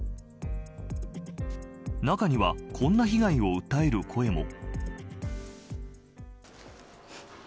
中にはこんな被害を訴える声も。